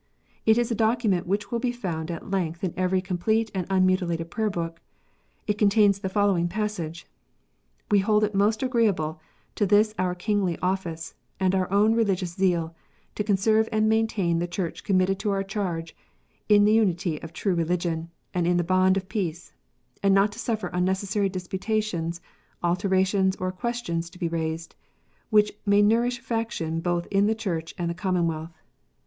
It is a document which will be found at length in every complete and unmuti lated Prayer book. It contains the following passage: "We hold it most agreeable to this our Kingly office, and our own religious zeal, to conserve and maintain the Church committed to our charge, in unity of true religion, and in the bond of peace ; and not to suffer unnecessary disputations, altercations, or questions to be raised, which may nourish faction both in the Church and Commonwealth.